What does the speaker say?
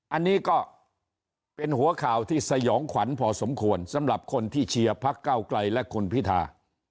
อันนี้ก็เป็นหัวข่าวที่สยองขวัญพอสมควรสำหรับคนที่เชียร์พักเก้าไกลและคุณพิธา